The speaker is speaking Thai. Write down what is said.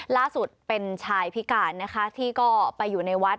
ล่าสุดเป็นชายพิการนะคะที่ก็ไปอยู่ในวัด